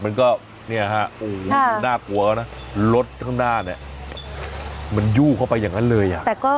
มันก็น่ากลัวนะรถข้างหน้ามันยูเข้าไปเลย